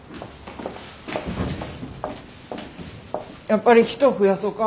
やっぱり人増やそか。